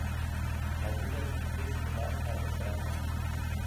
Laŭdire pli simila al Esperanto.